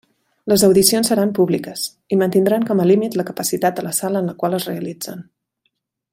Les audicions seran públiques, i mantindran com a límit la capacitat de la sala en la qual es realitzen.